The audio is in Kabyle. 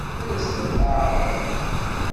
Ad as-ten-teɛṛeḍ?